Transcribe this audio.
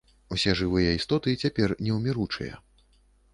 Усе жывыя істоты цяпер неўміручыя.